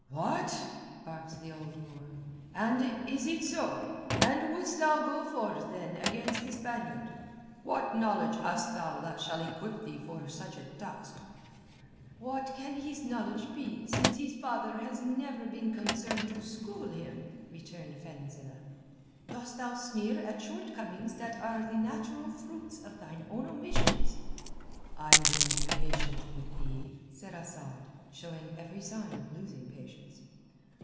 "What?" barked the old Moor. "And is it so? And wouldst thou go forth then against the Spaniard? What knowledge hast thou that shall equip thee for such a task?" "What can his knowledge be since his father has never been concerned to school him?" returned Fenzileh. "Dost thou sneer at shortcomings that are the natural fruits of thine own omissions?" "I will be patient with thee," said Asad, showing every sign of losing patience.